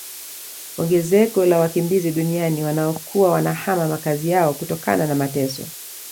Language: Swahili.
Ongezeko la wakimbizi duniani wanaokuwa wanahama makazi yao kutokana na mateso